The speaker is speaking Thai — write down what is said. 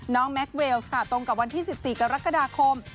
แม็กเวลส์ค่ะตรงกับวันที่๑๔กรกฎาคม